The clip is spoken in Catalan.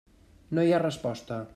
No hi ha resposta.